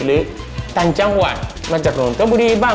หรือต่างจังหวัดมาจากนนทบุรีบ้าง